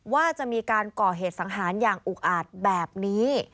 ว่าจะมีการก่อเหตุสังหารอย่างอุกอาจแบบนี้